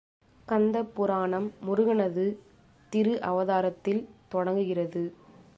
கந்த புராணம் முருகனது திரு அவதாரத்தில் தொடங்குகிறது.